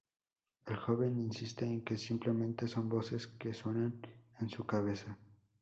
El joven insiste en que simplemente son voces que suenan en su cabeza.